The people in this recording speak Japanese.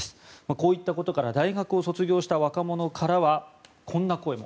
こういったことから大学を卒業した若者からはこんな声も。